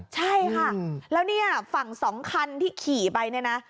ใช่ค่ะแล้วนี่ฝั่ง๒คันที่ขี่ไปนี่นะ